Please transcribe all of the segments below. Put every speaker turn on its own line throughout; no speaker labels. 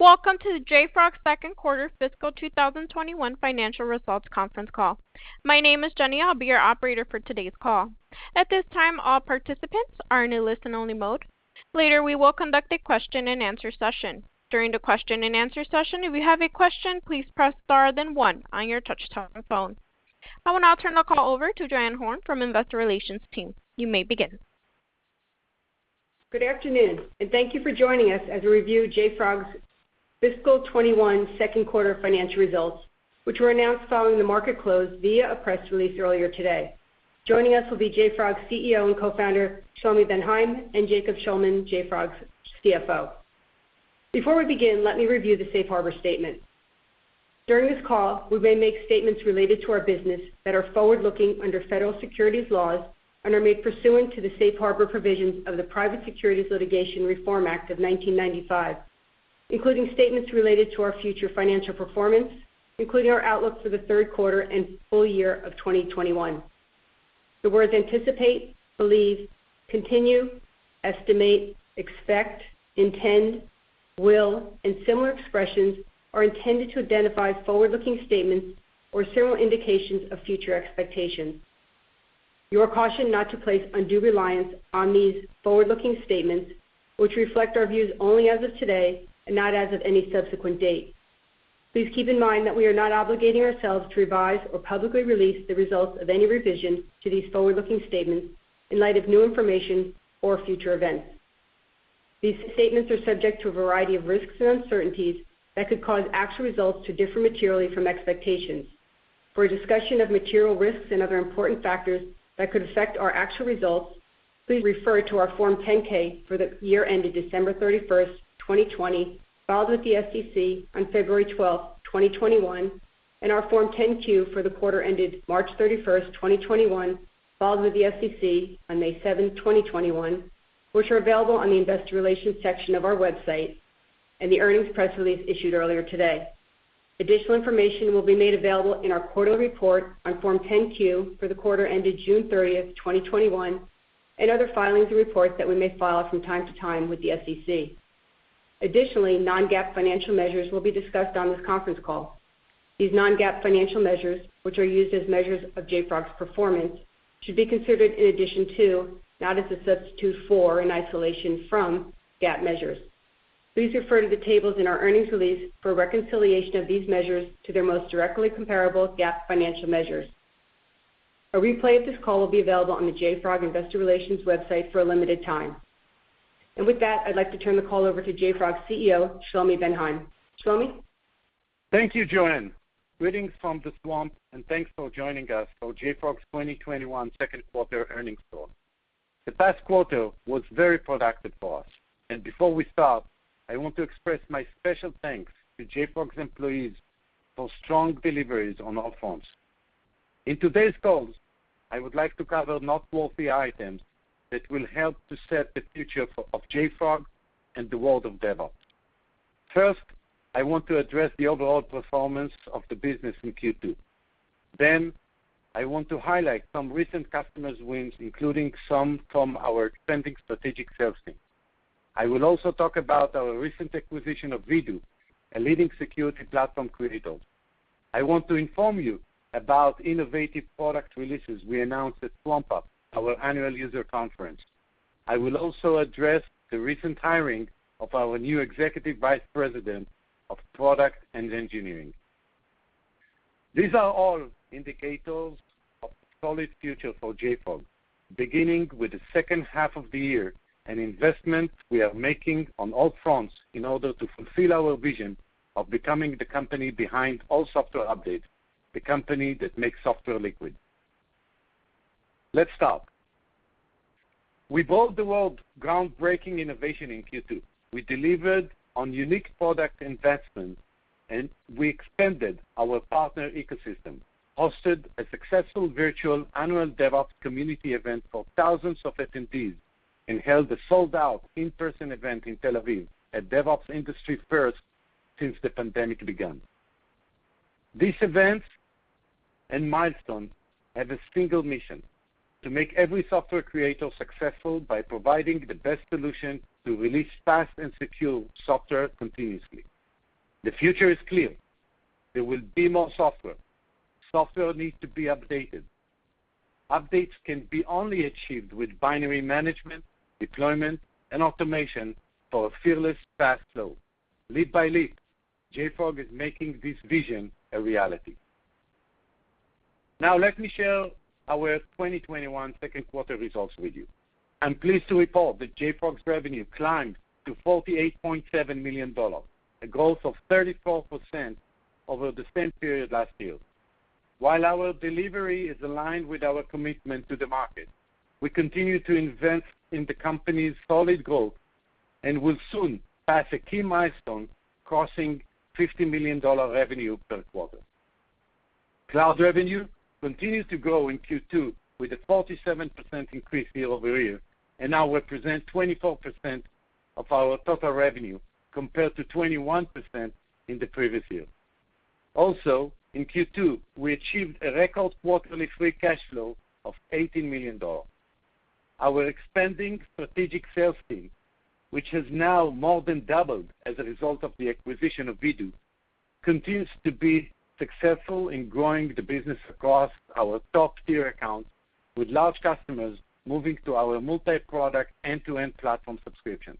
Welcome to the JFrog Q2 fiscal 2021 financial results conference call. My name is Jenny. I'll be your operator for today's call. At this time, all participants are in a listen-only mode. Later, we will conduct a question-and-answer session. During the question-and-answer session, if you have a question, please press star then one on your touchtone phone. I will now turn the call over to JoAnn Horne from Investor Relations team. You may begin.
Good afternoon, and thank you for joining us as we review JFrog's fiscal 2021 Q2 financial results, which were announced following the market close via a press release earlier today. Joining us will be JFrog CEO and Co-founder, Shlomi Ben Haim, and Jacob Shulman, JFrog's CFO. Before we begin, let me review the safe harbor statement. During this call, we may make statements related to our business that are forward-looking under federal securities laws and are made pursuant to the safe harbor provisions of the Private Securities Litigation Reform Act of 1995, including statements related to our future financial performance, including our outlook for the Q3 and full-year of 2021. The words anticipate, believe, continue, estimate, expect, intend, will, and similar expressions are intended to identify forward-looking statements or several indications of future expectations. You are cautioned not to place undue reliance on these forward-looking statements, which reflect our views only as of today and not as of any subsequent date. Please keep in mind that we are not obligating ourselves to revise or publicly release the results of any revision to these forward-looking statements in light of new information or future events. These statements are subject to a variety of risks and uncertainties that could cause actual results to differ materially from expectations. For a discussion of material risks and other important factors that could affect our actual results, please refer to our Form 10-K, for the year ended December 31st, 2020, filed with the SEC on February 12th, 2021, and our Form 10-Q, for the quarter ended March 31st, 2021, filed with the SEC on May 7th, 2021, which are available on the Investor Relations section of our website and the earnings press release issued earlier today. Additional information will be made available in our quarterly report on Form 10-Q, for the quarter ended June 30th, 2021, and other filings and reports that we may file from time to time with the SEC. Additionally, non-GAAP financial measures will be discussed on this conference call. These non-GAAP financial measures, which are used as measures of JFrog's performance, should be considered in addition to, not as a substitute for, or in isolation from, GAAP measures. Please refer to the tables in our earnings release for a reconciliation of these measures to their most directly comparable GAAP financial measures. A replay of this call will be available on the JFrog Investor Relations website for a limited time. With that, I'd like to turn the call over to JFrog CEO, Shlomi Ben Haim. Shlomi?
Thank you, JoAnn. Greetings from the Swamp, thanks for joining us for JFrog's 2021 Q2 earnings call. The past quarter was very productive for us, before we start, I want to express my special thanks to JFrog's employees for strong deliveries on all fronts. In today's call, I would like to cover noteworthy items that will help to set the future of JFrog and the world of DevOps. First, I want to address the overall performance of the business in Q2. I want to highlight some recent customer wins, including some from our expanding strategic sales team. I will also talk about our recent acquisition of Vdoo, a leading security platform creator. I want to inform you about innovative product releases we announced at swampUP, our annual user conference. I will also address the recent hiring of our new Executive Vice President of Product and Engineering. These are all indicators of a solid future for JFrog, beginning with the H2 of the year, an investment we are making on all fronts in order to fulfill our vision of becoming the company behind all software updates, the company that makes software liquid. Let's start. We brought the world groundbreaking innovation in Q2. We delivered on unique product investment, and we expanded our partner ecosystem, hosted a successful virtual annual DevOps community event for thousands of attendees, and held a sold-out in-person event in Tel Aviv, a DevOps industry first since the pandemic began. These events and milestones have a single mission, to make every software creator successful by providing the best solution to release fast and secure software continuously. The future is clear. There will be more software. Software needs to be updated. Updates can be only achieved with binary management, deployment, and automation for a fearless fast flow. Lead by lead, JFrog is making this vision a reality. Let me share our 2021 Q2 results with you. I'm pleased to report that JFrog's revenue climbed to $48.7 million, a growth of 34% over the same period last year. While our delivery is aligned with our commitment to the market, we continue to invest in the company's solid growth and will soon pass a key milestone, crossing $50 million revenue per quarter. Cloud revenue continued to grow in Q2 with a 47% increase year-over-year, and now represents 24% of our total revenue, compared to 21% in the previous year. Also, in Q2, we achieved a record quarterly free cash flow of $18 million. Our expanding strategic sales team, which has now more than doubled as a result of the acquisition of Vdoo, continues to be successful in growing the business across our top-tier accounts, with large customers moving to our multi-product end-to-end platform subscriptions.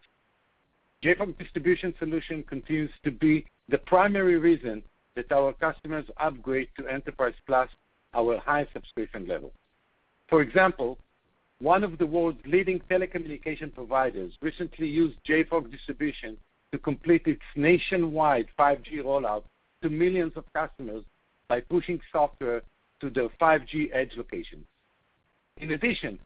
JFrog Distribution solution continues to be the primary reason that our customers upgrade to Enterprise Plus, our highest subscription level. For example, one of the world's leading telecommunication providers recently used JFrog Distribution to complete its nationwide 5G rollout to millions of customers by pushing software to their 5G Edge locations. In addition,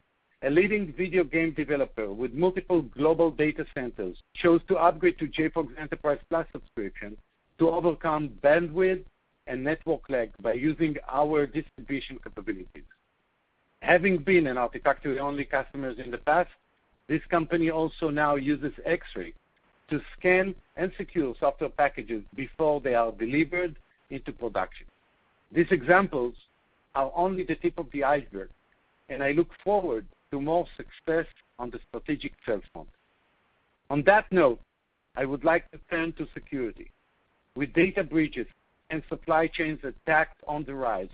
a leading video game developer with multiple global data centers chose to upgrade to JFrog's Enterprise Plus subscription to overcome bandwidth and network lag by using our distribution capabilities. Having been an Artifactory only customers in the past, this company also now uses Xray to scan and secure software packages before they are delivered into production. These examples are only the tip of the iceberg, and I look forward to more success on the strategic sales front. On that note, I would like to turn to security. With data breaches and supply chains attacks on the rise,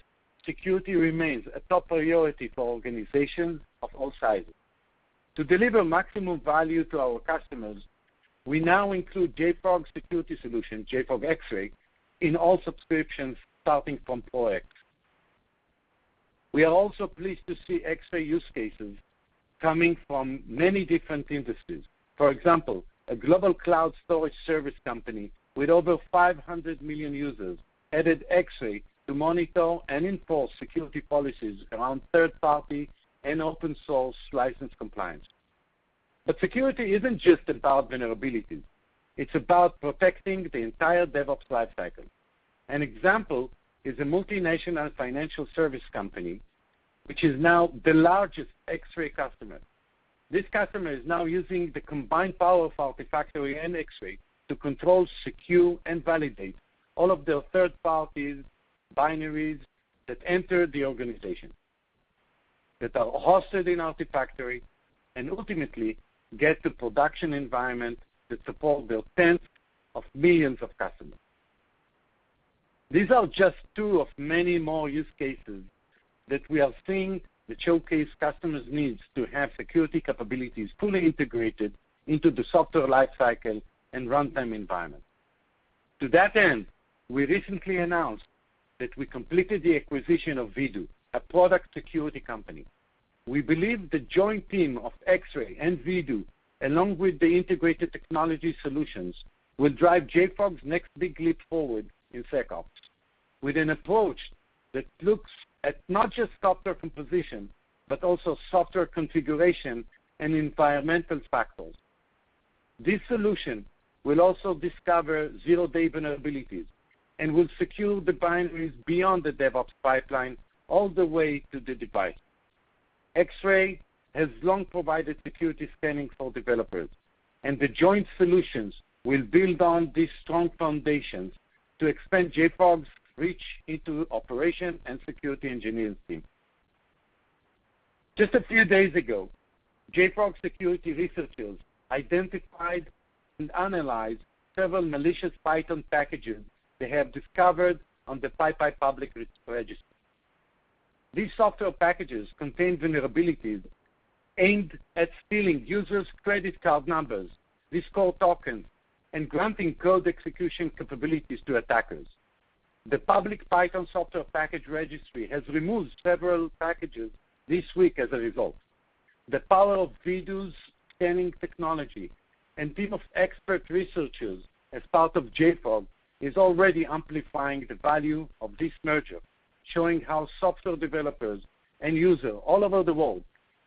security remains a top priority for organizations of all sizes. To deliver maximum value to our customers, we now include JFrog's security solution, JFrog Xray, in all subscriptions starting from Pro X. We are also pleased to see Xray use cases coming from many different industries. For example, a global cloud storage service company with over 500 million users added Xray to monitor and enforce security policies around third-party and open source license compliance. Security isn't just about vulnerability. It's about protecting the entire DevOps lifecycle. An example is a multinational financial service company, which is now the largest Xray customer. This customer is now using the combined power of Artifactory and Xray to control, secure, and validate all of their third-parties' binaries that enter the organization, that are hosted in Artifactory, and ultimately get to production environment that support their tens of millions of customers. These are just two of many more use cases that we are seeing that showcase customers' needs to have security capabilities fully integrated into the software lifecycle and runtime environment. To that end, we recently announced that we completed the acquisition of Vdoo, a product security company. We believe the joint team of Xray and Vdoo, along with the integrated technology solutions, will drive JFrog's next big leap forward in SecOps. With an approach that looks at not just software composition, but also software configuration and environmental factors. This solution will also discover zero day vulnerabilities and will secure the binaries beyond the DevOps pipeline all the way to the device. Xray has long provided security scanning for developers, and the joint solutions will build on these strong foundations to expand JFrog's reach into operation and security engineering teams. Just a few days ago, JFrog security researchers identified and analyzed several malicious Python packages they have discovered on the PyPI public registry. These software packages contain vulnerabilities aimed at stealing users' credit card numbers, Discord tokens, and granting code execution capabilities to attackers. The public Python software package registry has removed several packages this week as a result. The power of Vdoo's scanning technology and team of expert researchers as part of JFrog is already amplifying the value of this merger, showing how software developers and users all over the world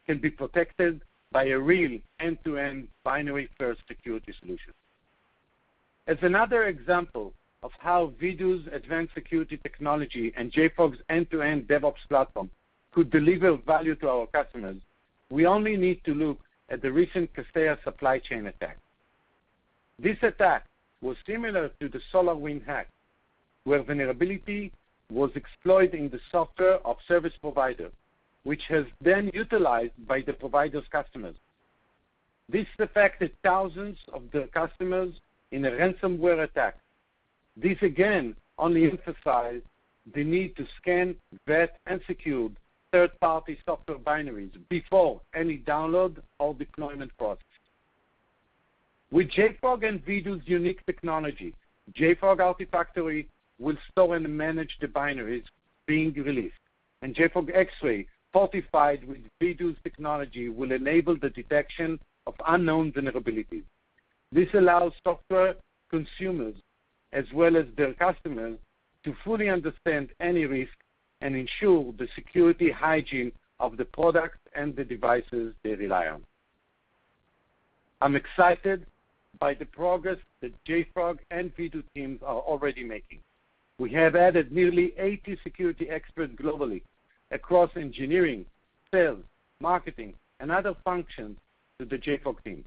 can be protected by a real end-to-end binary first security solution. As another example of how Vdoo's advanced security technology and JFrog's end-to-end DevOps platform could deliver value to our customers, we only need to look at the recent Kaseya supply chain attack. This attack was similar to the SolarWinds hack, where vulnerability was exploited in the Software as a Service provider, which was then utilized by the provider's customers. This affected thousands of their customers in a ransomware attack. This again only emphasized the need to scan, vet, and secure third-party software binaries before any download or deployment process. With JFrog and Vdoo's unique technology, JFrog Artifactory will store and manage the binaries being released, and JFrog Xray, fortified with Vdoo's technology, will enable the detection of unknown vulnerabilities. This allows software consumers, as well as their customers, to fully understand any risk and ensure the security hygiene of the products and the devices they rely on. I'm excited by the progress that JFrog and Vdoo teams are already making. We have added nearly 80 security experts globally across engineering, sales, marketing, and other functions to the JFrog team.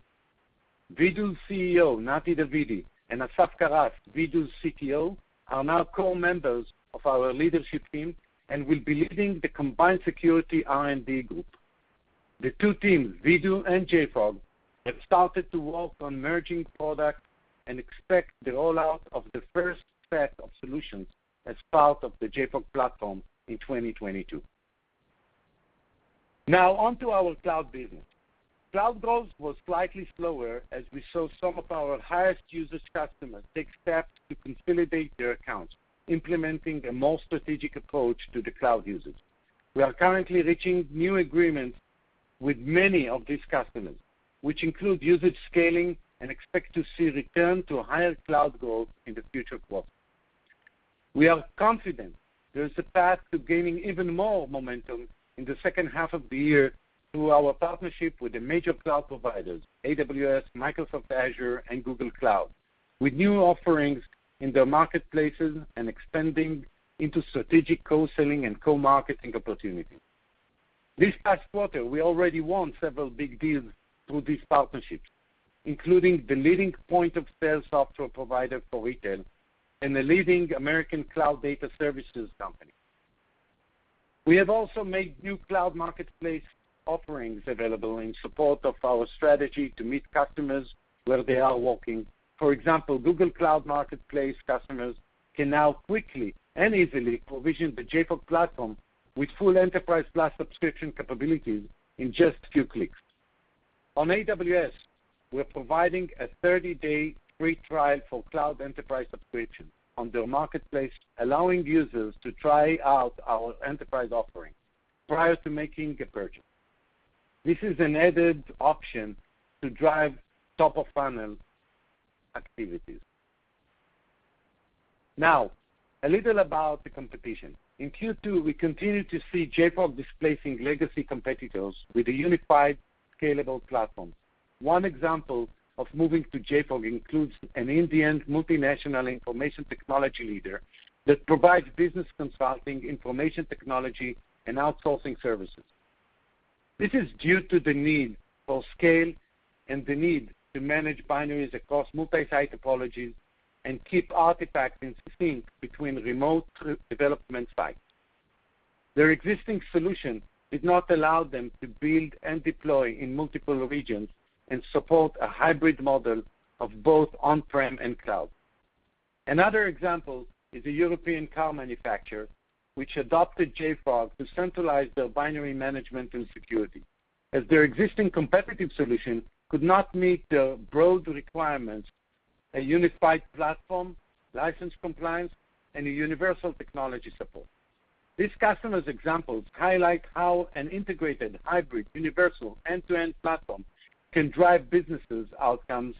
Vdoo CEO, Netanel Davidi, and Asaf Karas, Vdoo CTO, are now core members of our leadership team and will be leading the combined security R&D group. The two teams, Vdoo and JFrog, have started to work on merging products and expect the rollout of the first set of solutions as part of the JFrog Platform in 2022. Now, onto our cloud business. Cloud growth was slightly slower as we saw some of our highest usage customers take steps to consolidate their accounts, implementing a more strategic approach to the cloud usage. We are currently reaching new agreements with many of these customers, which include usage scaling and expect to see return to higher cloud growth in the future quarters. We are confident there is a path to gaining even more momentum in the H2 of the year through our partnership with the major cloud providers, AWS, Microsoft Azure, and Google Cloud, with new offerings in their marketplaces and expanding into strategic co-selling and co-marketing opportunities. This past quarter, we already won several big deals through these partnerships, including the leading point-of-sale software provider for retail and a leading American cloud data services company. We have also made new cloud marketplace offerings available in support of our strategy to meet customers where they are working. For example, Google Cloud Marketplace customers can now quickly and easily provision the JFrog Platform with full enterprise class subscription capabilities in just a few clicks. On AWS, we're providing a 30-day free trial for cloud enterprise subscription on their marketplace, allowing users to try out our enterprise offering prior to making a purchase. This is an added option to drive top-of-funnel activities. Now, a little about the competition. In Q2, we continued to see JFrog displacing legacy competitors with a unified, scalable platform. One example of moving to JFrog includes an Indian multinational information technology leader that provides business consulting, information technology, and outsourcing services. This is due to the need for scale and the need to manage binaries across multi-site topologies and keep artifacts in sync between remote development sites. Their existing solution did not allow them to build and deploy in multiple regions and support a hybrid model of both on-prem and cloud. Another example is a European car manufacturer, which adopted JFrog to centralize their binary management and security, as their existing competitive solution could not meet the broad requirements, a unified platform, license compliance, and a universal technology support. These customer examples highlight how an integrated, hybrid, universal, end-to-end platform can drive business outcomes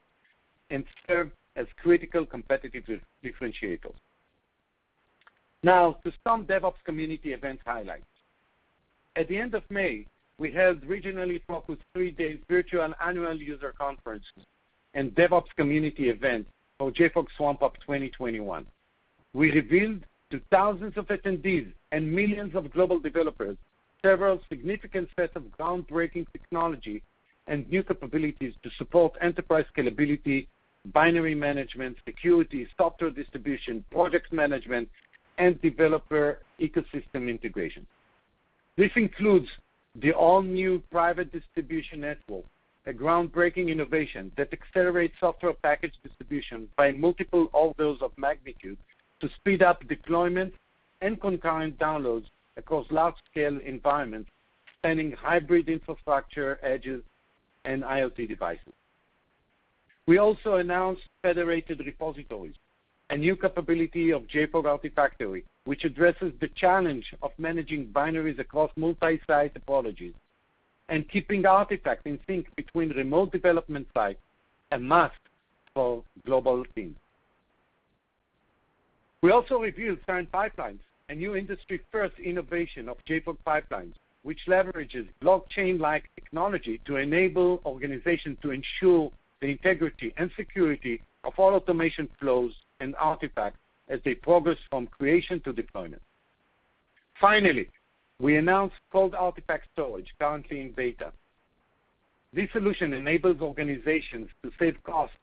and serve as critical competitive differentiators. Now, to some DevOps community event highlights. At the end of May, we held regionally focused three-day virtual annual user conferences and DevOps community event for JFrog swampUP 2021. We revealed to thousands of attendees and millions of global developers several significant sets of groundbreaking technology and new capabilities to support enterprise scalability, binary management, security, software distribution, project management, and developer ecosystem integration. This includes the all-new Private Distribution Network, a groundbreaking innovation that accelerates software package distribution by multiple orders of magnitude to speed up deployment and concurrent downloads across large scale environments, spanning hybrid infrastructure, edges, and IoT devices. We also announced federated repositories, a new capability of JFrog Artifactory, which addresses the challenge of managing binaries across multi-site topologies and keeping artifacts in sync between remote development sites, a must for global teams. We also revealed Signed Pipelines, a new industry-first innovation of JFrog Pipelines, which leverages blockchain-like technology to enable organizations to ensure the integrity and security of all automation flows and artifacts as they progress from creation to deployment. Finally, we announced Cold Artifact Storage, currently in beta. This solution enables organizations to save costs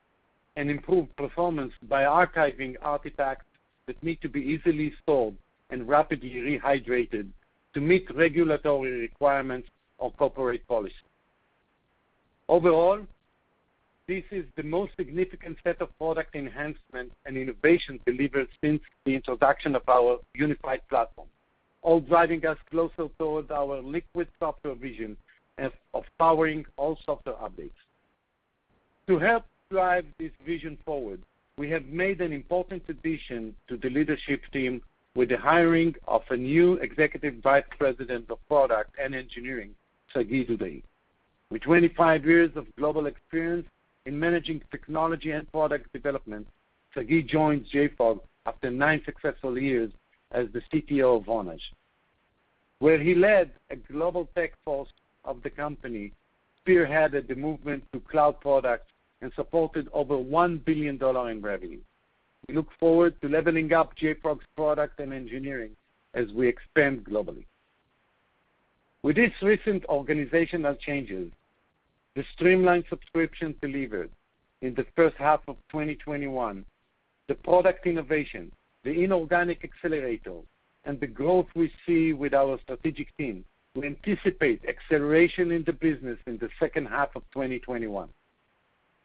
and improve performance by archiving artifacts that need to be easily stored and rapidly rehydrated to meet regulatory requirements or corporate policy. Overall, this is the most significant set of product enhancements and innovations delivered since the introduction of our unified platform, all driving us closer towards our liquid software vision of powering all software updates. To help drive this vision forward, we have made an important addition to the leadership team with the hiring of a new Executive Vice President of Product and Engineering, Sagi Dudai. With 25 years of global experience in managing technology and product development, Sagi joins JFrog after nine successful years as the CTO of Vonage, where he led a global tech force of the company, spearheaded the movement to cloud products, and supported over $1 billion in revenue. We look forward to leveling up JFrog's product and engineering as we expand globally. With these recent organizational changes, the streamlined subscription delivered in the H1 of 2021, the product innovation, the inorganic accelerator, and the growth we see with our strategic team, we anticipate acceleration in the business in the H2 of 2021.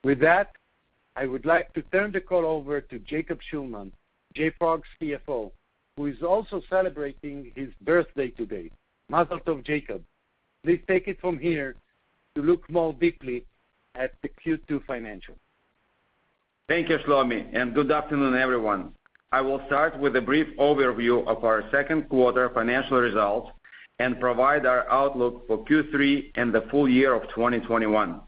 With that, I would like to turn the call over to Jacob Shulman, JFrog's CFO, who is also celebrating his birthday today. Mazel tov, Jacob. Please take it from here to look more deeply at the Q2 financials.
Thank you, Shlomi. Good afternoon, everyone. I will start with a brief overview of our Q2 financial results and provide our outlook for Q3 and the full year of 2021.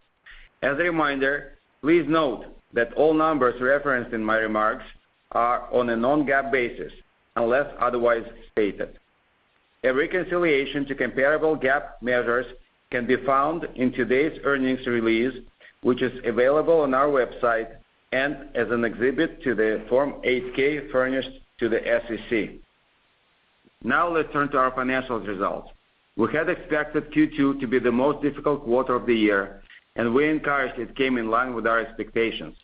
As a reminder, please note that all numbers referenced in my remarks are on a non-GAAP basis, unless otherwise stated. A reconciliation to comparable GAAP measures can be found in today's earnings release, which is available on our website and as an exhibit to the Form 8-K, furnished to the SEC. Let's turn to our financial results. We had expected Q2 to be the most difficult quarter of the year, and we're encouraged it came in line with our expectations.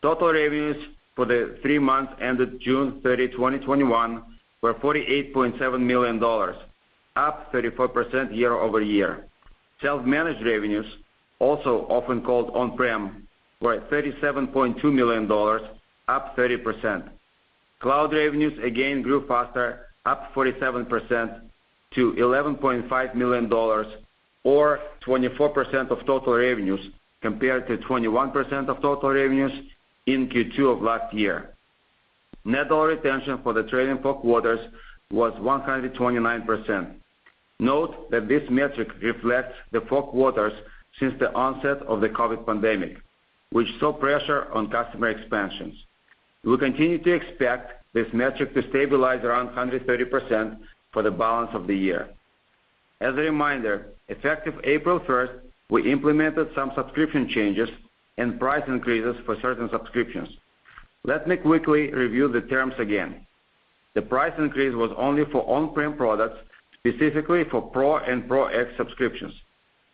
Total revenues for the three months ended June 30, 2021, were $48.7 million, up 34% year-over-year. Self-managed revenues, also often called on-prem, were at $37.2 million, up 30%. Cloud revenues again grew faster, up 47%-$11.5 million or 24% of total revenues, compared to 21% of total revenues in Q2 of last year. Net dollar retention for the trailing four quarters was 129%. Note that this metric reflects the four quarters since the onset of the COVID pandemic, which saw pressure on customer expansions. We continue to expect this metric to stabilize around 130% for the balance of the year. As a reminder, effective April 1st, we implemented some subscription changes and price increases for certain subscriptions. Let me quickly review the terms again. The price increase was only for on-prem products, specifically for Pro and Pro X subscriptions.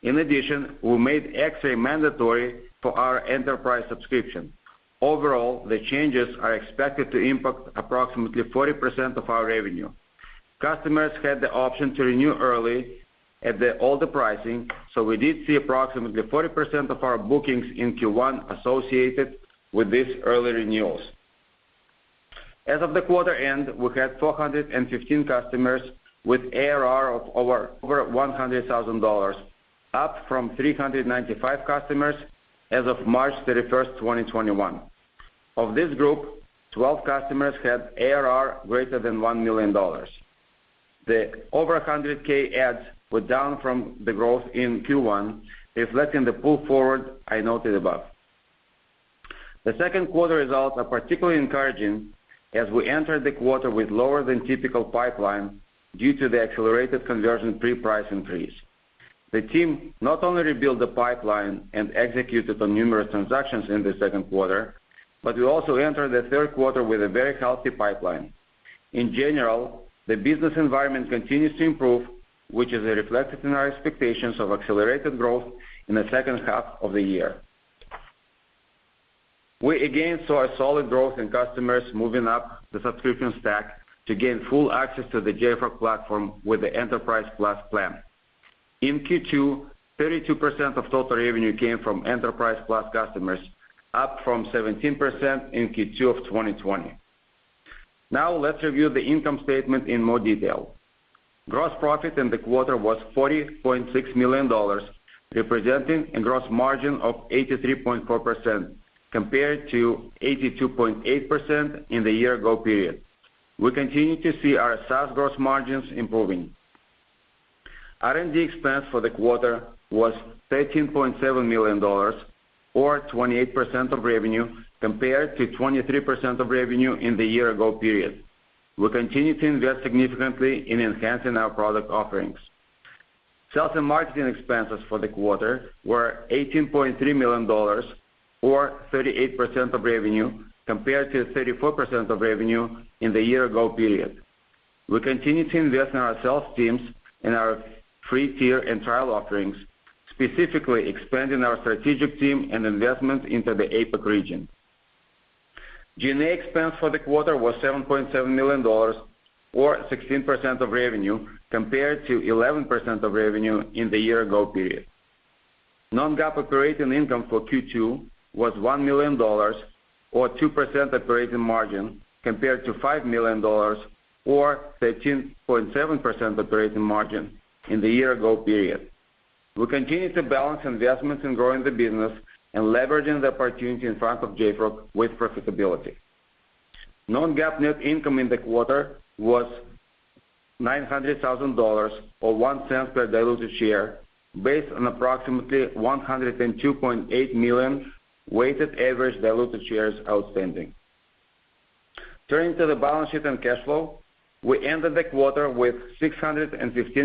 In addition, we made Xray mandatory for our enterprise subscription. Overall, the changes are expected to impact approximately 40% of our revenue. Customers had the option to renew early at the older pricing, we did see approximately 40% of our bookings in Q1 associated with these early renewals. As of the quarter-end, we had 415 customers with ARR of over $100,000, up from 395 customers as of March 31, 2021. Of this group, 12 customers had ARR greater than $1 million. The over $100K adds were down from the growth in Q1, reflecting the pull forward I noted above. The Q2 results are particularly encouraging as we entered the quarter with lower than typical pipeline due to the accelerated conversion pre-price increase. The team not only rebuilt the pipeline and executed on numerous transactions in the Q2, but we also entered the Q3 with a very healthy pipeline. In general, the business environment continues to improve, which is reflected in our expectations of accelerated growth in the H2 of the year. We again saw solid growth in customers moving up the subscription stack to gain full access to the JFrog Platform with the Enterprise Plus plan. In Q2, 32% of total revenue came from Enterprise Plus customers, up from 17% in Q2 of 2020. Let's review the income statement in more detail. Gross profit in the quarter was $40.6 million, representing a gross margin of 83.4%, compared to 82.8% in the year-ago period. We continue to see our SaaS gross margins improving. R&D expense for the quarter was $13.7 million or 28% of revenue, compared to 23% of revenue in the year-ago period. We continue to invest significantly in enhancing our product offerings. Sales and marketing expenses for the quarter were $18.3 million or 38% of revenue, compared to 34% of revenue in the year-ago period. We continue to invest in our sales teams and our free tier and trial offerings, specifically expanding our strategic team and investment into the APAC region. G&A expense for the quarter was $7.7 million or 16% of revenue, compared to 11% of revenue in the year-ago period. non-GAAP operating income for Q2 was $1 million or 2% operating margin, compared to $5 million or 13.7% operating margin in the year-ago period. We continue to balance investments in growing the business and leveraging the opportunity in front of JFrog with profitability. non-GAAP net income in the quarter was $900,000 or $0.01 per diluted share based on approximately $102.8 million weighted average diluted shares outstanding. Turning to the balance sheet and cash flow, we ended the quarter with $615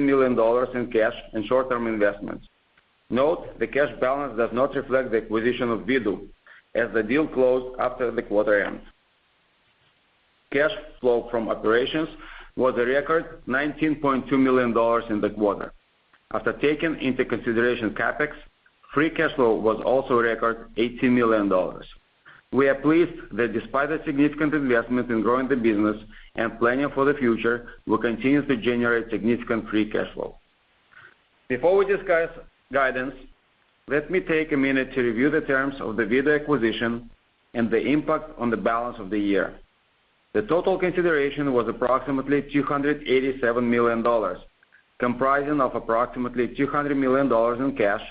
million in cash and short-term investments. Note the cash balance does not reflect the acquisition of Vdoo as the deal closed after the quarter-end. Cash flow from operations was a record $19.2 million in the quarter. After taking into consideration CapEx, free cash flow was also a record $18 million. We are pleased that despite the significant investment in growing the business and planning for the future, we continue to generate significant free cash flow. Before we discuss guidance, let me take a minute to review the terms of the Vdoo acquisition and the impact on the balance of the year. The total consideration was approximately $287 million, comprising of approximately $200 million in cash,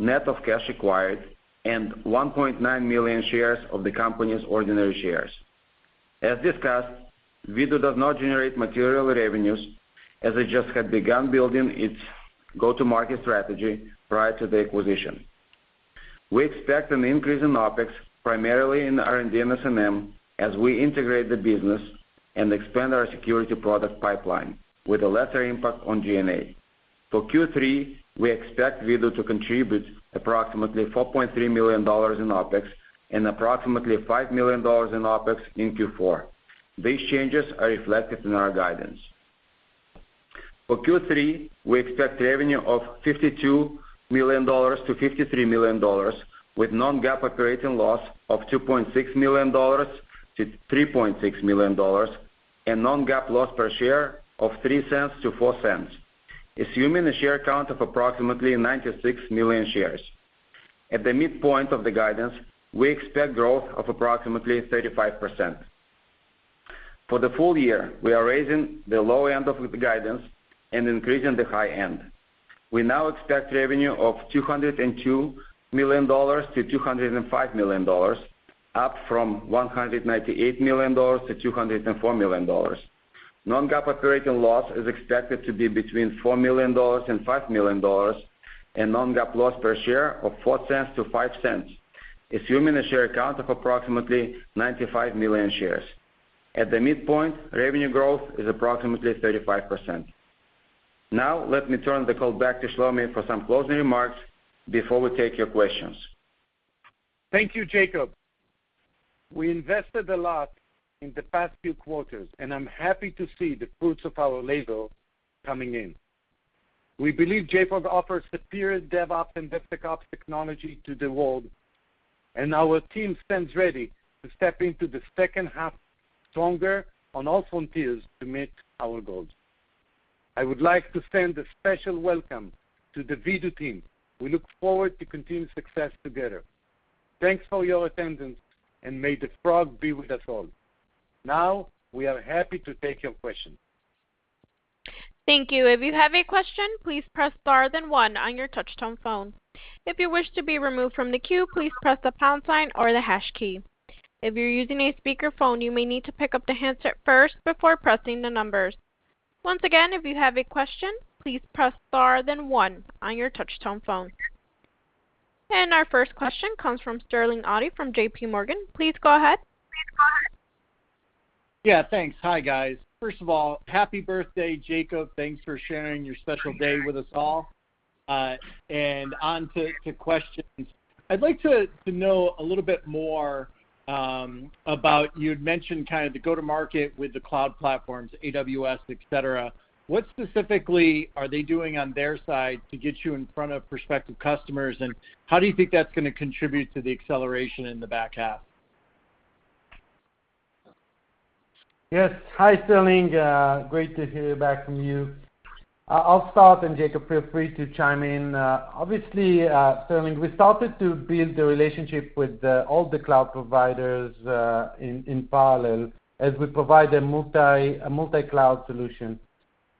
net of cash acquired, and 1.9 million shares of the company's ordinary shares. As discussed, Vdoo does not generate material revenues as it just had begun building its go-to-market strategy prior to the acquisition. We expect an increase in OpEx, primarily in R&D and S&M, as we integrate the business and expand our security product pipeline with a lesser impact on G&A. For Q3, we expect Vdoo to contribute approximately $4.3 million in OpEx and approximately $5 million in OpEx in Q4. These changes are reflected in our guidance. For Q3, we expect revenue of $52 million-$53 million, with non-GAAP operating loss of $2.6 million-$3.6 million and non-GAAP loss per share of $0.03-$0.04, assuming a share count of approximately 96 million shares. At the midpoint of the guidance, we expect growth of approximately 35%. For the full-year, we are raising the low end of the guidance and increasing the high end. We now expect revenue of $202 million-$205 million, up from $198 million-$204 million. Non-GAAP operating loss is expected to be between $4 million and $5 million, and non-GAAP loss per share of $0.04-$0.05, assuming a share count of approximately 95 million shares. At the midpoint, revenue growth is approximately 35%. Let me turn the call back to Shlomi for some closing remarks before we take your questions.
Thank you, Jacob. We invested a lot in the past few quarters. I'm happy to see the fruits of our labor coming in. We believe JFrog offers superior DevOps and DevSecOps technology to the world. Our team stands ready to step into the H2 stronger on all frontiers to meet our goals. I would like to send a special welcome to the Vdoo team. We look forward to continued success together. Thanks for your attendance. May the JFrog be with us all. We are happy to take your questions.
Thank you. If you have a question, please press star then one on your touch tone phone. If you wish to be removed from the queue, please press the pound sign or the hash key. If you're using a speakerphone, you may need to pick up the handset first before pressing the numbers. Once again, if you have a question, please press star then one on your touch tone phone. And our first question comes from Sterling Auty from J.P. Morgan. Please go ahead.
Yeah, thanks. Hi, guys. First of all, happy birthday, Jacob. Thanks for sharing your special day with us all. On to questions. I'd like to know a little bit more about, you'd mentioned kind of the go-to-market with the cloud platforms, AWS, et cetera. What specifically are they doing on their side to get you in front of prospective customers, and how do you think that's going to contribute to the acceleration in the back half?
Yes. Hi, Sterling. Great to hear back from you. I'll start. Jacob, feel free to chime in. Obviously, Sterling, we started to build the relationship with all the cloud providers in parallel as we provide a multi-cloud solution.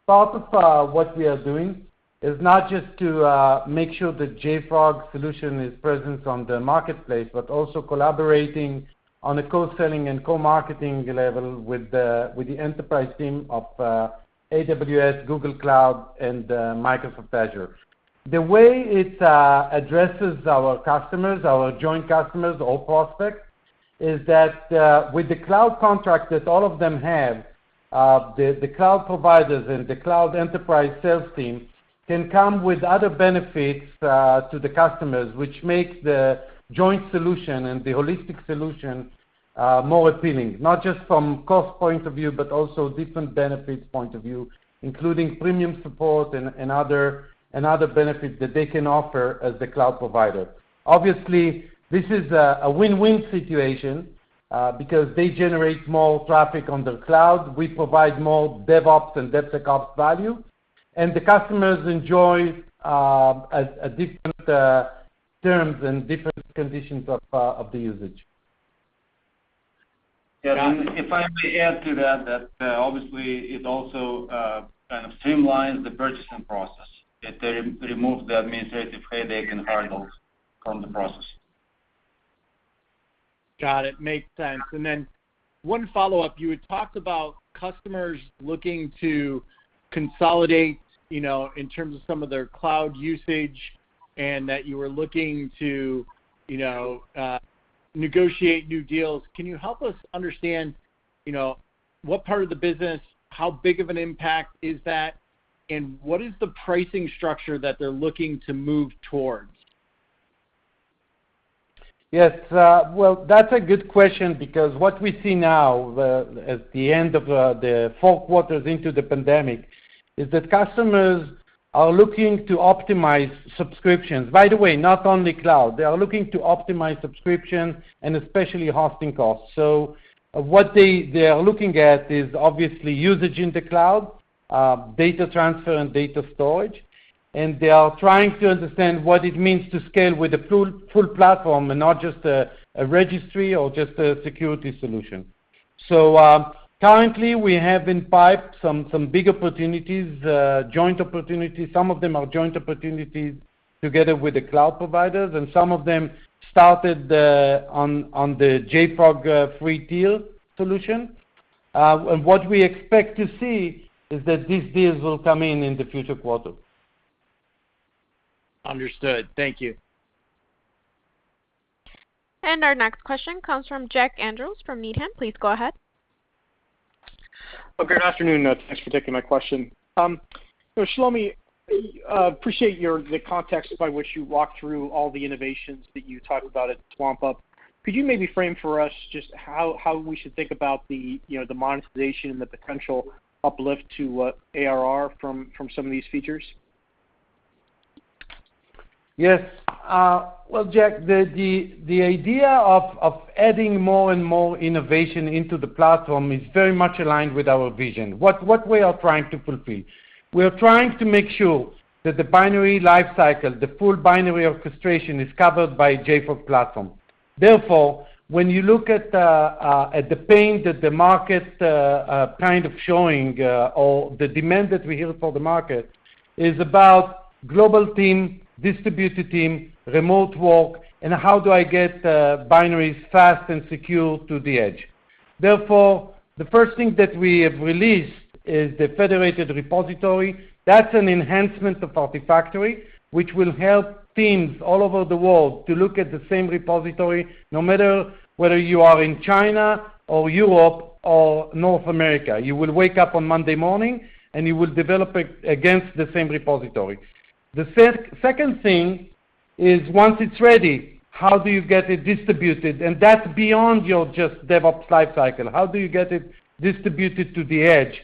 Part of what we are doing is not just to make sure the JFrog solution is present on the marketplace, but also collaborating on a co-selling and co-marketing level with the enterprise team of AWS, Google Cloud, and Microsoft Azure. The way it addresses our customers, our joint customers or prospects, is that with the cloud contract that all of them have, the cloud providers and the cloud enterprise sales team can come with other benefits to the customers, which makes the joint solution and the holistic solution more appealing, not just from cost point of view, but also different benefits point of view, including premium support and other benefits that they can offer as the cloud provider. Obviously, this is a win-win situation because they generate more traffic on the cloud. We provide more DevOps and DevSecOps value, and the customers enjoy different terms and different conditions of the usage.
Yeah, if I may add to that, obviously it also kind of streamlines the purchasing process. It removes the administrative headache and hurdles from the process.
Got it. Makes sense. One follow-up, you had talked about customers looking to consolidate in terms of some of their cloud usage and that you were looking to negotiate new deals. Can you help us understand what part of the business, how big of an impact is that, and what is the pricing structure that they're looking to move towards?
Yes. Well, that's a good question because what we see now, at the end of the four quarters into the pandemic, is that customers are looking to optimize subscriptions. By the way, not only cloud. They are looking to optimize subscriptions, and especially hosting costs. What they are looking at is obviously usage in the cloud, data transfer, and data storage. They are trying to understand what it means to scale with a full platform and not just a registry or just a security solution. Currently we have in pipe some big opportunities, joint opportunities. Some of them are joint opportunities together with the cloud providers, and some of them started on the JFrog free tier solution. What we expect to see is that these deals will come in in the future quarters.
Understood. Thank you.
Our next question comes from Jack Andrews from Needham. Please go ahead.
Oh, good afternoon. Thanks for taking my question. Shlomi, appreciate the context by which you walked through all the innovations that you talked about at swampUP. Could you maybe frame for us just how we should think about the monetization and the potential uplift to ARR from some of these features?
Yes. Well, Jack, the idea of adding more and more innovation into the platform is very much aligned with our vision, what we are trying to fulfill. We are trying to make sure that the binary life cycle, the full binary orchestration, is covered by JFrog Platform. Therefore, when you look at the pain that the market kind of showing, or the demand that we hear for the market, is about global team, distributed team, remote work, and how do I get binaries fast and secure to the edge? Therefore, the first thing that we have released is the federated repository. That's an enhancement of Artifactory, which will help teams all over the world to look at the same repository, no matter whether you are in China or Europe or North America. You will wake up on Monday morning, and you will develop against the same repository. The second thing is, once it's ready, how do you get it distributed? That's beyond your just DevOps life cycle. How do you get it distributed to the edge?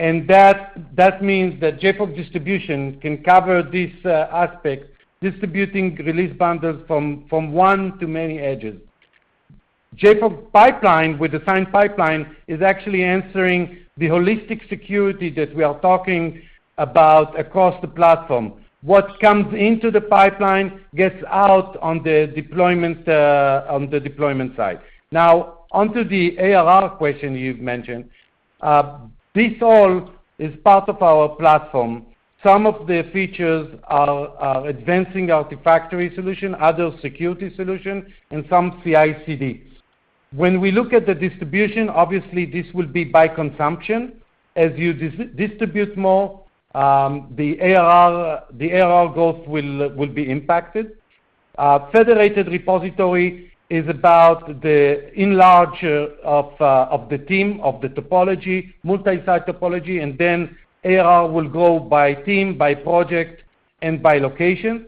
That means that JFrog Distribution can cover this aspect, distributing release bundles from one to many edges. JFrog Pipelines, with the Signed Pipelines, is actually answering the holistic security that we are talking about across the platform. What comes into the pipeline gets out on the deployment side. Now, onto the ARR question you've mentioned. This all is part of our platform. Some of the features are advancing Artifactory solution, other security solution, and some CI/CDs. When we look at the distribution, obviously this will be by consumption. As you distribute more, the ARR growth will be impacted. Federated repository is about the enlarge of the team, of the topology, multi-site topology, and then ARR will grow by team, by project, and by location.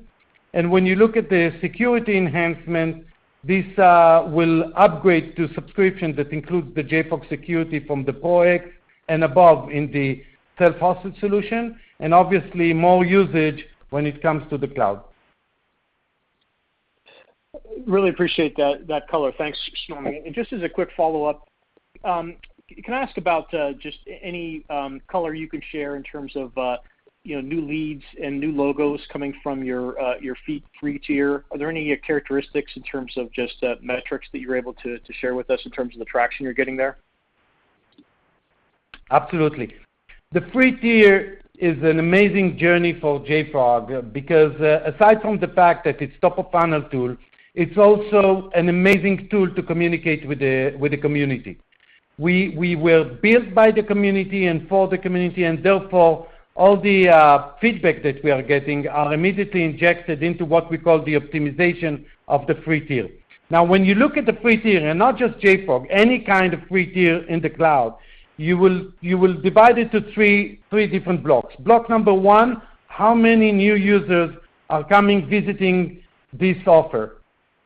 When you look at the security enhancement, this will upgrade to subscription that includes the JFrog security from the Pro X and above in the self-hosted solution, and obviously more usage when it comes to the cloud.
Really appreciate that color. Thanks, Shlomi. Just as a quick follow-up, can I ask about just any color you can share in terms of new leads and new logos coming from your free tier? Are there any characteristics in terms of just metrics that you're able to share with us in terms of the traction you're getting there?
Absolutely. The free tier is an amazing journey for JFrog because, aside from the fact that it's top-of-funnel tool, it's also an amazing tool to communicate with the community. We were built by the community and for the community, therefore, all the feedback that we are getting are immediately injected into what we call the optimization of the free tier. Now, when you look at the free tier, not just JFrog, any kind of free tier in the cloud, you will divide it to three different blocks. Block number one, how many new users are coming, visiting this offer?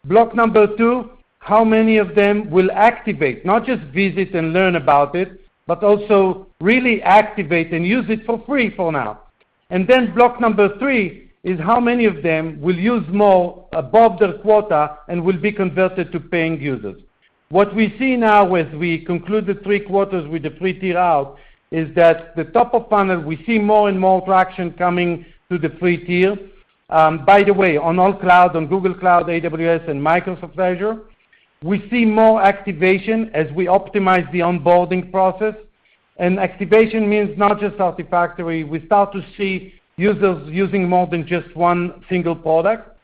Block number two, how many of them will activate, not just visit and learn about it, but also really activate and use it for free for now? Block number three is how many of them will use more above their quota and will be converted to paying users? What we see now, as we conclude the three quarters with the free tier out, is that the top of funnel, we see more and more traction coming to the free tier. By the way, on all cloud, on Google Cloud, AWS, and Microsoft Azure, we see more activation as we optimize the onboarding process. Activation means not just Artifactory. We start to see users using more than just one single product.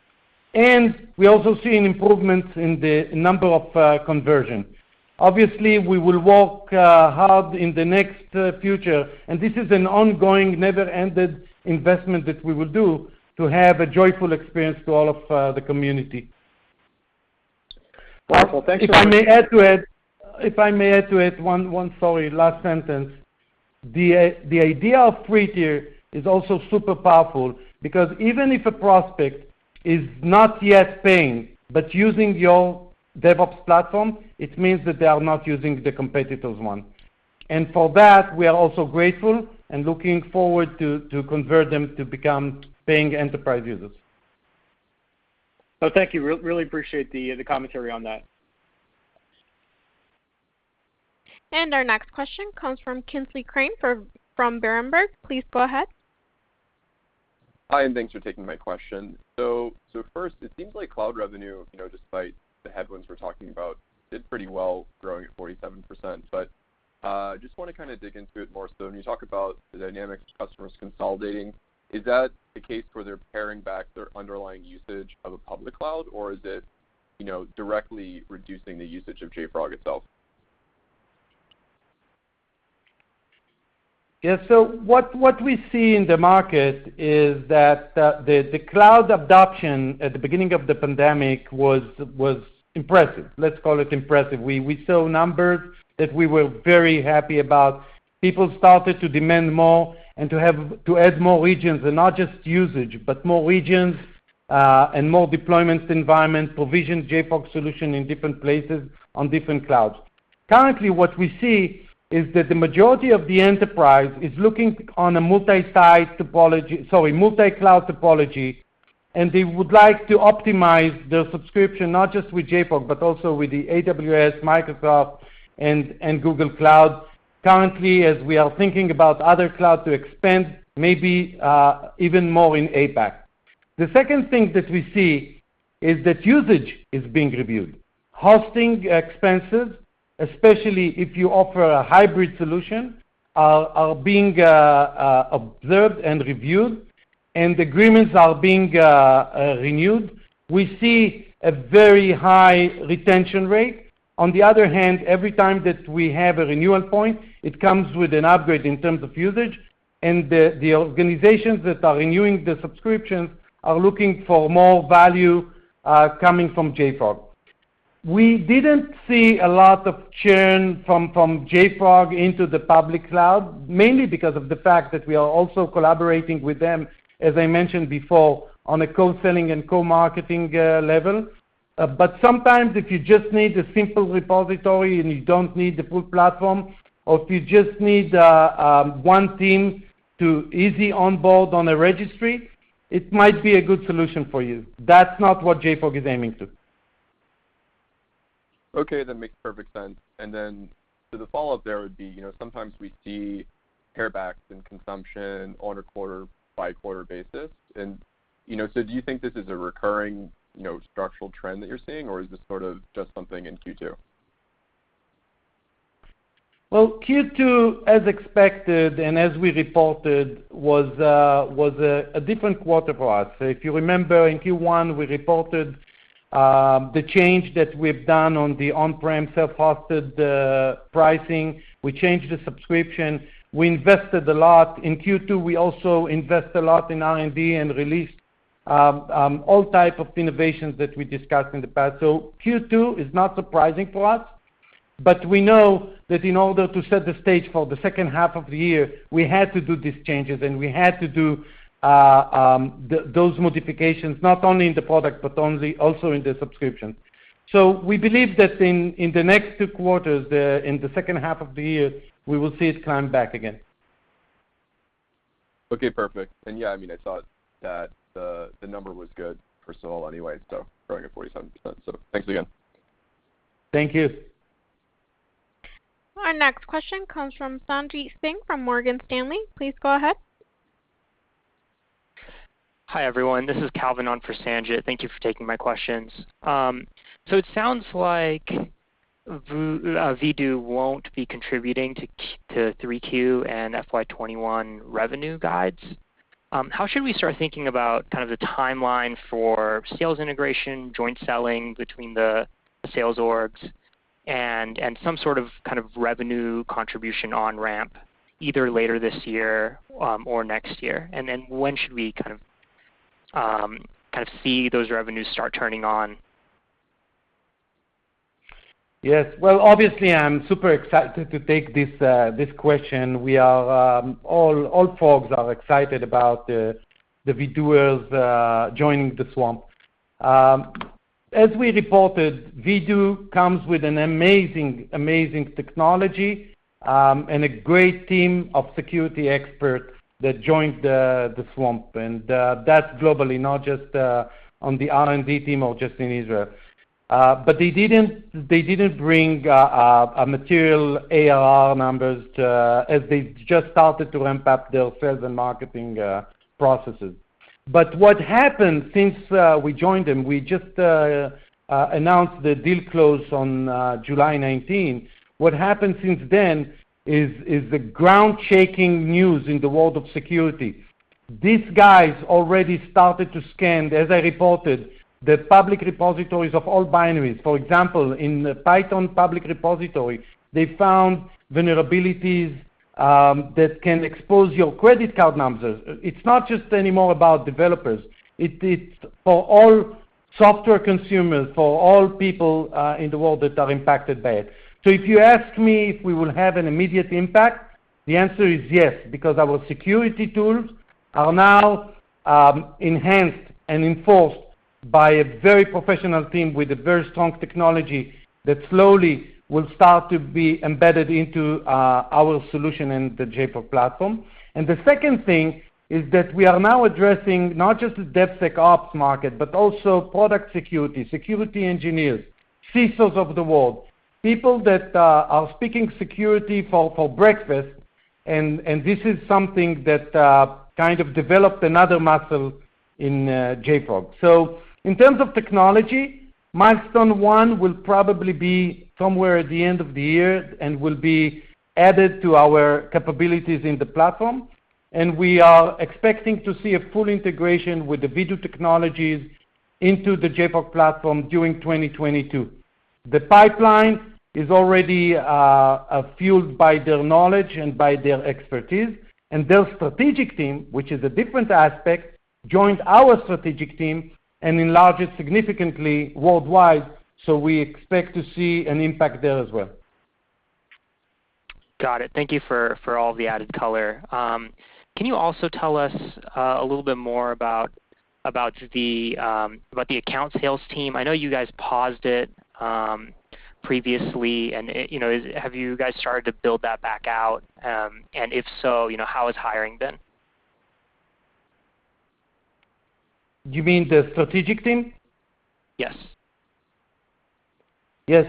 We also see an improvement in the number of conversion. Obviously, we will work hard in the next future, and this is an ongoing, never-ended investment that we will do to have a joyful experience to all of the community. Well, if I may add to it, one sorry, last sentence. The idea of free tier is also super powerful because even if a prospect is not yet paying, but using your DevOps platform, it means that they are not using the competitor's one. For that, we are also grateful and looking forward to convert them to become paying enterprise users.
Thank you. Really appreciate the commentary on that.
Our next question comes from Kingsley Crane from Berenberg. Please go ahead.
Hi, thanks for taking my question. First, it seems like cloud revenue, despite the headwinds we're talking about, did pretty well growing at 47%. I just want to kind of dig into it more. When you talk about the dynamics of customers consolidating, is that the case where they're paring back their underlying usage of a public cloud, or is it directly reducing the usage of JFrog itself?
Yeah. What we see in the market is that the cloud adoption at the beginning of the pandemic was impressive. Let's call it impressive. We saw numbers that we were very happy about. People started to demand more and to add more regions, and not just usage, but more regions, and more deployment environment, provision JFrog solution in different places on different clouds. Currently, what we see is that the majority of the enterprise is looking on a multi-cloud topology, and they would like to optimize their subscription, not just with JFrog, but also with the AWS, Microsoft, and Google Cloud. Currently, as we are thinking about other cloud to expand, maybe even more in APAC. The second thing that we see is that usage is being reviewed. Hosting expenses, especially if you offer a hybrid solution, are being observed and reviewed, and agreements are being renewed. We see a very high retention rate. On the other hand, every time that we have a renewal point, it comes with an upgrade in terms of usage, and the organizations that are renewing the subscriptions are looking for more value coming from JFrog. We didn't see a lot of churn from JFrog into the public cloud, mainly because of the fact that we are also collaborating with them, as I mentioned before, on a co-selling and co-marketing level. Sometimes if you just need a simple repository and you don't need the full platform, or if you just need one team to easily onboard on a registry, it might be a good solution for you. That's not what JFrog is aiming to.
Okay, that makes perfect sense. The follow-up there would be, sometimes we see pare-backs in consumption on a quarter-by-quarter basis. Do you think this is a recurring structural trend that you're seeing, or is this sort of just something in Q2?
Well, Q2, as expected and as we reported, was a different quarter for us. If you remember in Q1, we reported the change that we've done on the on-prem, self-hosted pricing. We changed the subscription. We invested a lot. In Q2, we also invest a lot in R&D and released all type of innovations that we discussed in the past. Q2 is not surprising for us, but we know that in order to set the stage for the H2 of the year, we had to do these changes, and we had to do those modifications, not only in the product, but also in the subscription. We believe that in the next two quarters, in the H2 of the year, we will see it climb back again.
Okay, perfect. Yeah, I saw that the number was good for SaaS anyway, growing at 47%. Thanks again.
Thank you.
Our next question comes from Sanjit Singh from Morgan Stanley. Please go ahead.
Hi, everyone. This is Calvin on for Sanjit. Thank you for taking my questions. It sounds like Vdoo won't be contributing to 3Q and FY 2021 revenue guides. How should we start thinking about kind of the timeline for sales integration, joint selling between the sales orgs, and some sort of kind of revenue contribution on ramp, either later this year or next year? When should we kind of see those revenues start turning on?
Yes. Well, obviously, I'm super excited to take this question. All frogs are excited about the Vdoo-ers joining the swamp. As we reported, Vdoo comes with an amazing technology, a great team of security experts that joined the swamp. That's globally, not just on the R&D team or just in Israel. They didn't bring material ARR numbers, as they just started to ramp up their sales and marketing processes. What happened since we joined them, we just announced the deal close on July 19. What happened since then is the ground-shaking news in the world of security. These guys already started to scan, as I reported, the public repositories of all binaries. For example, in Python public repository, they found vulnerabilities that can expose your credit card numbers. It's not just anymore about developers. It's for all software consumers, for all people in the world that are impacted by it. If you ask me if we will have an immediate impact, the answer is yes, because our security tools are now enhanced and enforced by a very professional team with a very strong technology that slowly will start to be embedded into our solution in the JFrog Platform. The second thing is that we are now addressing not just the DevSecOps market, but also product security engineers, CISOs of the world, people that are speaking security for breakfast, and this is something that kind of developed another muscle in JFrog. In terms of technology, milestone one will probably be somewhere at the end of the year and will be added to our capabilities in the platform, and we are expecting to see a full integration with the Vdoo technologies into the JFrog Platform during 2022. The pipeline is already fueled by their knowledge and by their expertise, and their strategic team, which is a different aspect, joined our strategic team and enlarged it significantly worldwide. We expect to see an impact there as well.
Got it. Thank you for all the added color. Can you also tell us a little bit more about the account sales team? I know you guys paused it previously, and have you guys started to build that back out? If so, how has hiring been?
You mean the strategic team?
Yes.
Yeah.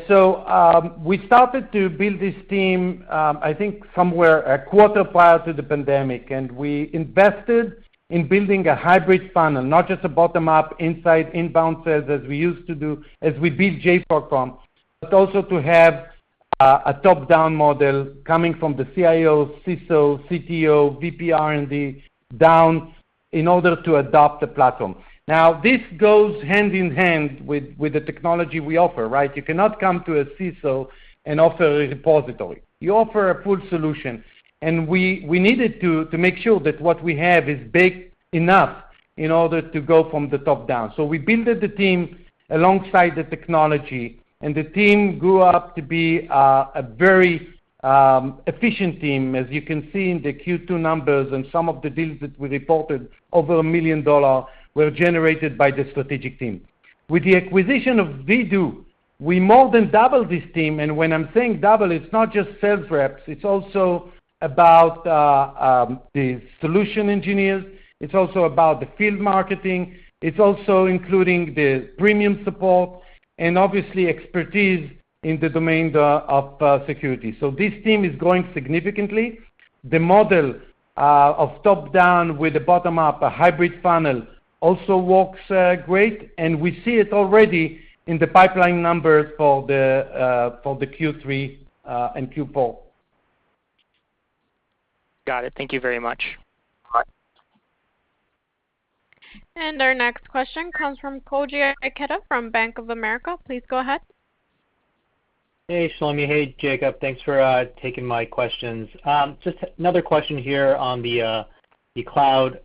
We started to build this team, I think somewhere a quarter prior to the pandemic. We invested in building a hybrid funnel, not just a bottom-up, inside, inbound sales as we used to do, as we build JFrog from, but also to have a top-down model coming from the CIO, CISO, CTO, VP R&D down in order to adopt the platform. This goes hand-in-hand with the technology we offer, right? You cannot come to a CISO and offer a repository. You offer a full solution, and we needed to make sure that what we have is big enough in order to go from the top down. We built the team alongside the technology, and the team grew up to be a very efficient team, as you can see in the Q2 numbers and some of the deals that we reported over $1 million were generated by the strategic team. With the acquisition of Vdoo, we more than doubled this team, and when I'm saying double, it's not just sales reps, it's also about the solution engineers, it's also about the field marketing, it's also including the premium support and obviously expertise in the domain of security. This team is growing significantly. The model of top-down with a bottom-up, a hybrid funnel, also works great, and we see it already in the pipeline numbers for the Q3 and Q4.
Got it. Thank you very much.
All right.
Our next question comes from Koji Ikeda from Bank of America. Please go ahead.
Hey, Shlomi. Hey, Jacob. Thanks for taking my questions. Just another question here on the cloud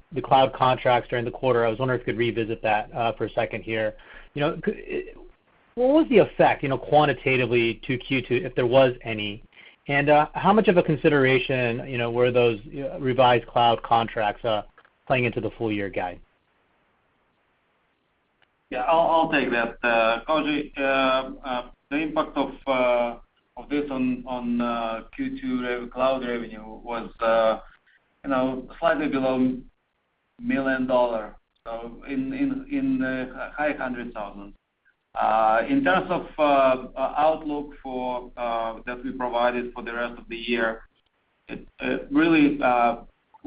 contracts during the quarter. I was wondering if you could revisit that for a second here. What was the effect quantitatively to Q2, if there was any, and how much of a consideration were those revised cloud contracts playing into the full-year guide?
Yeah, I'll take that. Koji, the impact of this on Q2 cloud revenue was slightly below $1 million, so in the high $100,000. In terms of outlook that we provided for the rest of the year, really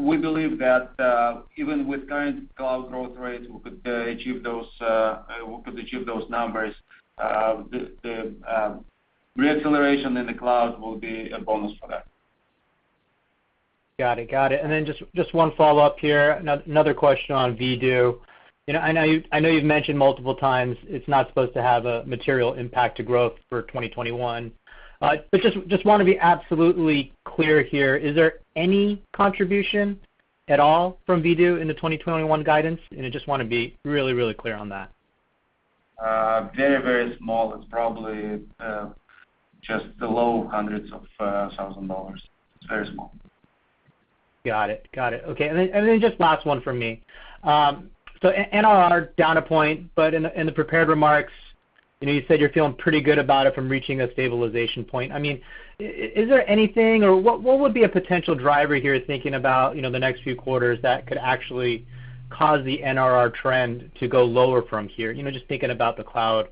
we believe that even with current cloud growth rates, we could achieve those numbers. The re-acceleration in the cloud will be a bonus for that.
Got it. Just one follow-up here, another question on Vdoo. I know you've mentioned multiple times it's not supposed to have a material impact to growth for 2021. Just want to be absolutely clear here, is there any contribution at all from Vdoo in the 2021 guidance? I just want to be really clear on that.
Very small. It's probably just below hundreds of thousand dollars. It's very small.
Got it. Okay. Just last one from me. NRR down a point, but in the prepared remarks, you said you're feeling pretty good about it from reaching a stabilization point. Is there anything, or what would be a potential driver here thinking about the next few quarters that could actually cause the NRR trend to go lower from here? Just thinking about the cloud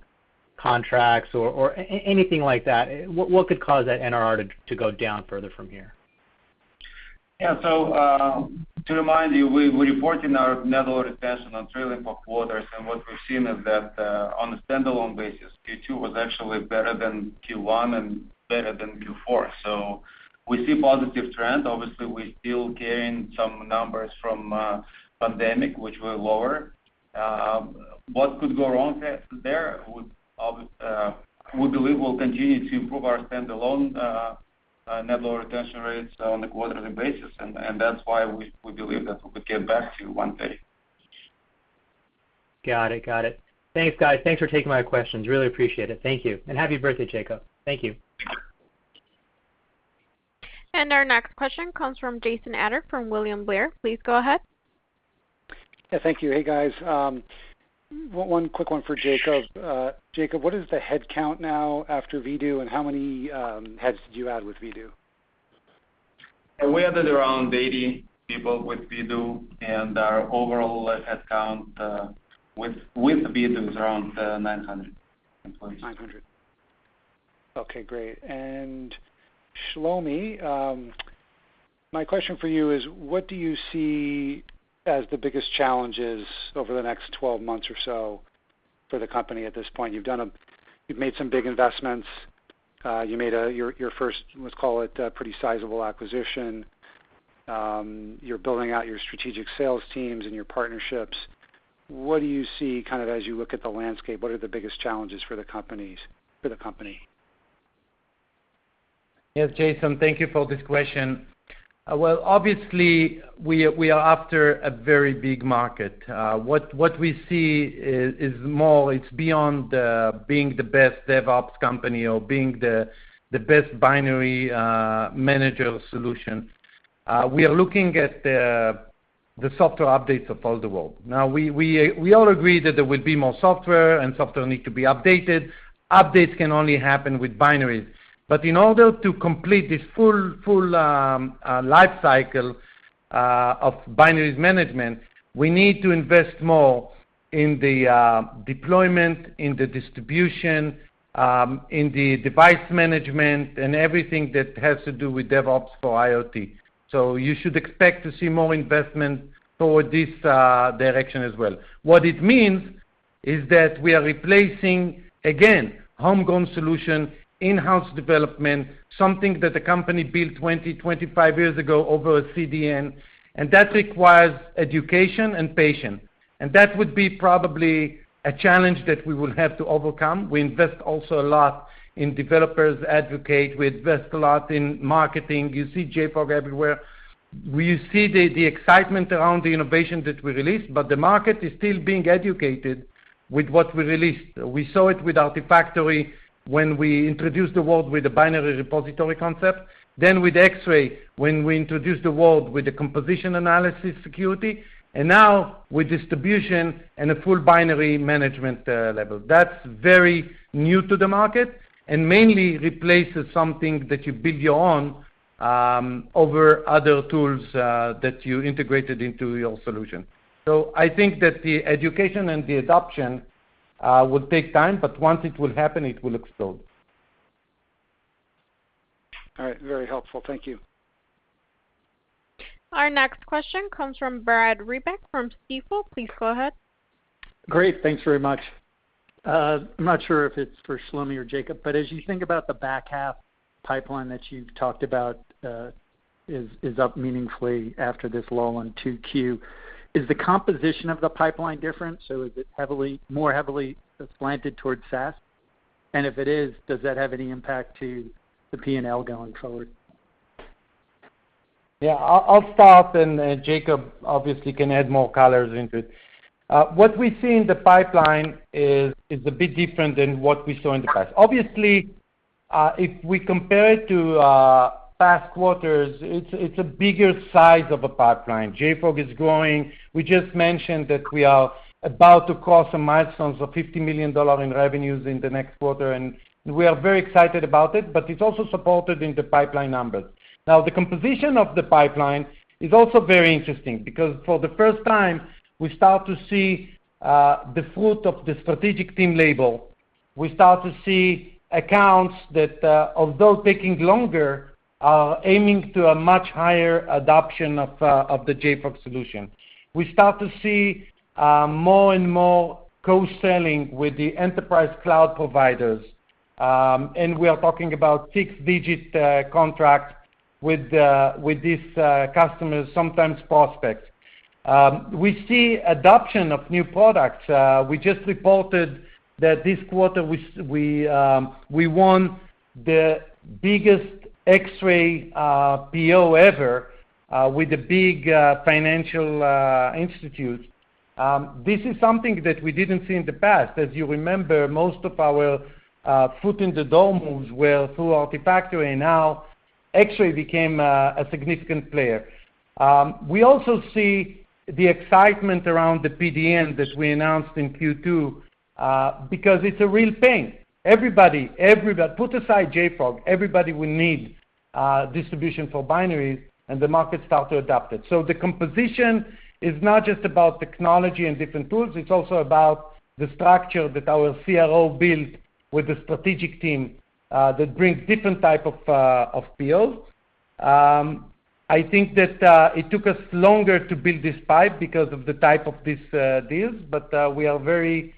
contracts or anything like that, what could cause that NRR to go down further from here?
To remind you, we report in our net dollar retention on trailing quarters, and what we've seen is that, on a standalone basis, Q2 was actually better than Q1 and better than Q4. We see positive trend. Obviously, we still gain some numbers from pandemic, which were lower What could go wrong there? We believe we'll continue to improve our standalone net dollar retention rates on a quarterly basis. That's why we believe that we could get back to 130%.
Got it. Thanks, guys. Thanks for taking my questions. Really appreciate it. Thank you. Happy birthday, Jacob. Thank you.
Our next question comes from Jason Ader from William Blair. Please go ahead.
Yeah, thank you. Hey, guys. One quick one for Jacob. Jacob, what is the head count now after Vdoo, and how many heads did you add with Vdoo?
We added around 80 people with Vdoo, and our overall head count, with Vdoo, is around 900 employees.
900. Okay, great. Shlomi, my question for you is, what do you see as the biggest challenges over the next 12 months or so for the company at this point? You've made some big investments. You made your first, let's call it, pretty sizable acquisition. You're building out your strategic sales teams and your partnerships. What do you see as you look at the landscape? What are the biggest challenges for the company?
Yes, Jason, thank you for this question. Well, obviously, we are after a very big market. What we see is more, it's beyond being the best DevOps company or being the best binary manager solution. We are looking at the software updates of all the world. Now, we all agree that there will be more software and software need to be updated. Updates can only happen with binaries. In order to complete this full life cycle of binaries management, we need to invest more in the deployment, in the distribution, in the device management, and everything that has to do with DevOps for IoT. You should expect to see more investment toward this direction as well. What it means is that we are replacing, again, homegrown solution, in-house development, something that the company built 20, 25 years ago over a CDN, and that requires education and patience. That would be probably a challenge that we will have to overcome. We invest also a lot in developers advocate. We invest a lot in marketing. You see JFrog everywhere. You see the excitement around the innovation that we released, but the market is still being educated with what we released. We saw it with Artifactory when we introduced the world with the binary repository concept. With Xray, when we introduced the world with the composition analysis security, and now with distribution and a full binary management level. That's very new to the market and mainly replaces something that you build your own, over other tools that you integrated into your solution. I think that the education and the adoption will take time, but once it will happen, it will explode.
All right. Very helpful. Thank you.
Our next question comes from Brad Reback from Stifel. Please go ahead.
Great. Thanks very much. I'm not sure if it's for Shlomi or Jacob, but as you think about the back half pipeline that you've talked about is up meaningfully after this low one 2Q. Is the composition of the pipeline different? Is it more heavily slanted towards SaaS? If it is, does that have any impact to the P&L going forward?
Yeah, I'll start. Jacob obviously can add more colors into it. What we see in the pipeline is a bit different than what we saw in the past. Obviously, if we compare it to past quarters, it's a bigger size of a pipeline. JFrog is growing. We just mentioned that we are about to cross a milestone of $50 million in revenues in the next quarter, and we are very excited about it, but it's also supported in the pipeline numbers. The composition of the pipeline is also very interesting because for the first time, we start to see the fruit of the strategic team label. We start to see accounts that, although taking longer, are aiming to a much higher adoption of the JFrog solution. We start to see more and more co-selling with the enterprise cloud providers, and we are talking about six-digit contract with these customers, sometimes prospects. We see adoption of new products. We just reported that this quarter we won the biggest Xray PO ever with a big financial institute. This is something that we didn't see in the past. As you remember, most of our foot in the door moves were through Artifactory. Now, Xray became a significant player. We also see the excitement around the PDN that we announced in Q2 because it's a real thing. Put aside JFrog, everybody will need distribution for binaries and the market start to adopt it. The composition is not just about technology and different tools, it's also about the structure that our CRO built with the strategic team that brings different type of POs. I think that it took us longer to build this pipe because of the type of these deals, but we are very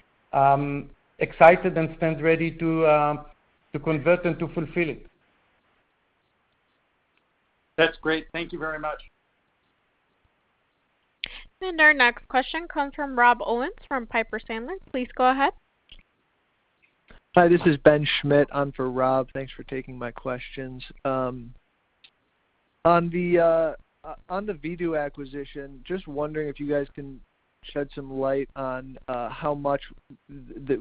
excited and stand ready to convert and to fulfill it.
That's great. Thank you very much.
Our next question comes from Rob Owens from Piper Sandler. Please go ahead.
Hi, this is Ben Schmidt. I'm for Rob. Thanks for taking my questions. On the Vdoo acquisition, just wondering if you guys can shed some light on how much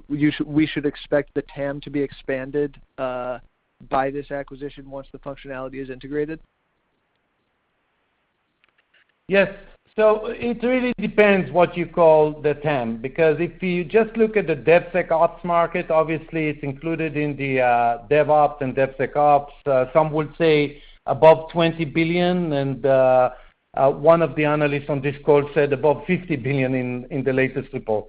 we should expect the TAM to be expanded by this acquisition once the functionality is integrated?
Yes. It really depends what you call the TAM, because if you just look at the DevSecOps market, obviously, it's included in the DevOps and DevSecOps. Some would say above $20 billion, and one of the analysts on this call said above $50 billion in the latest report.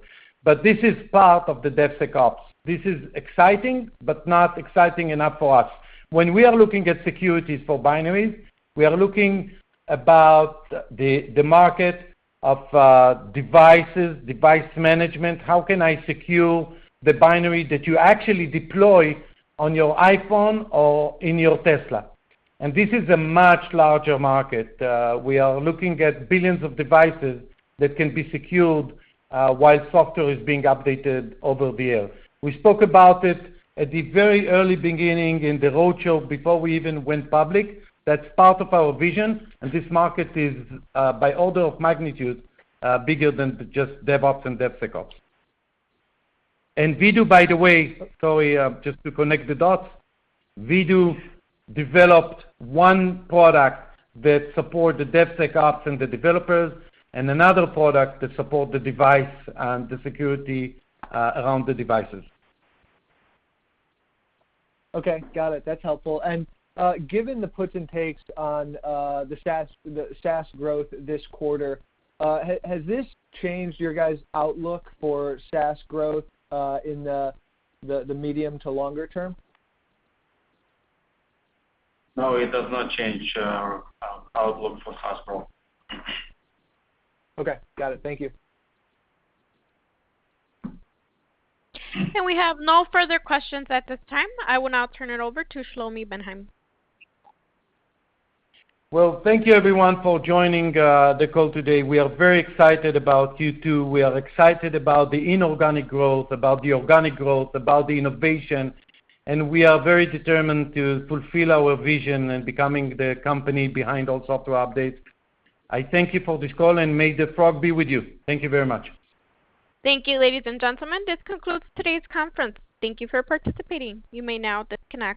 This is part of the DevSecOps. This is exciting, but not exciting enough for us. When we are looking at securities for binaries, we are looking about the market of devices, device management. How can I secure the binary that you actually deploy on your iPhone or in your Tesla? This is a much larger market. We are looking at billions of devices that can be secured while software is being updated over the air. We spoke about it at the very early beginning in the roadshow before we even went public. That's part of our vision, and this market is, by order of magnitude, bigger than just DevOps and DevSecOps. Vdoo, by the way, sorry, just to connect the dots, Vdoo developed one product that support the DevSecOps and the developers, and another product that support the device and the security around the devices.
Okay. Got it. That's helpful. Given the puts and takes on the SaaS growth this quarter, has this changed your guys' outlook for SaaS growth in the medium to longer-term?
No, it does not change our outlook for SaaS growth.
Okay. Got it. Thank you.
We have no further questions at this time. I will now turn it over to Shlomi Ben Haim.
Well, thank you everyone for joining the call today. We are very excited about Q2. We are excited about the inorganic growth, about the organic growth, about the innovation, and we are very determined to fulfill our vision in becoming the company behind all software updates. I thank you for this call, and may the Frog be with you. Thank you very much.
Thank you, ladies and gentlemen. This concludes today's conference. Thank you for participating. You may now disconnect.